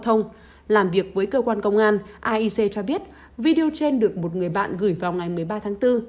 thông làm việc với cơ quan công an aic cho biết video trên được một người bạn gửi vào ngày một mươi ba tháng bốn